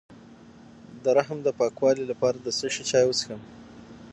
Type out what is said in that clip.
د رحم د پاکوالي لپاره د څه شي چای وڅښم؟